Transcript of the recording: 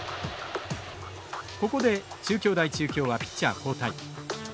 ここで中京大中京はピッチャー交代。